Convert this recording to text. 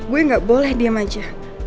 gue gak boleh diem aja